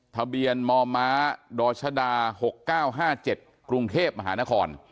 ทะเบียนมมดชด๖๙๕๗กรุงเทพมหานคร